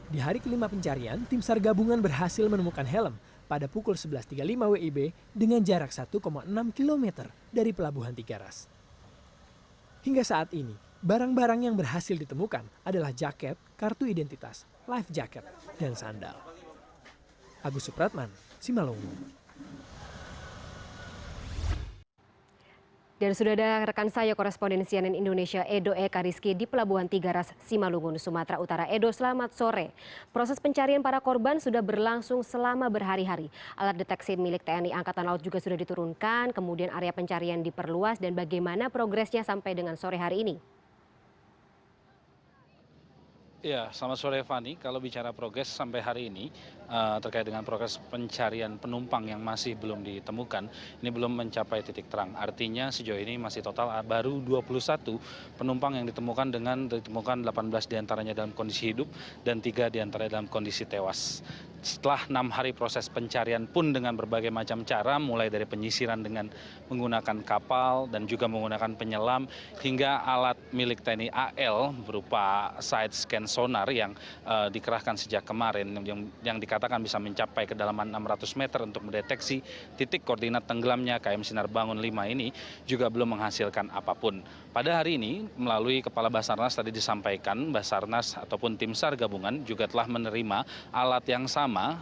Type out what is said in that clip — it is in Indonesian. di hari kelima pencarian tim sar gabungan berhasil menemukan helm pada pukul sebelas tiga puluh lima wib dengan jarak satu enam km dari pelabuhan tiga ras